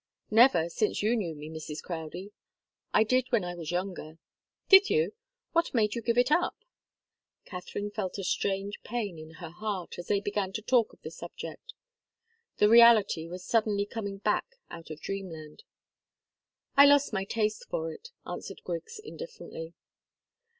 "Never since you knew me, Mrs. Crowdie. I did when I was younger." "Did you? What made you give it up?" Katharine felt a strange pain in her heart, as they began to talk of the subject. The reality was suddenly coming back out of dreamland. "I lost my taste for it," answered Griggs, indifferently.